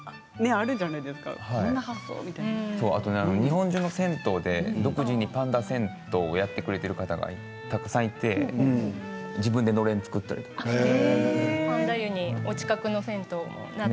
日本中の銭湯で独自にパンダ銭湯をやってくれる方がおて自分でのれんを作ったりしていて。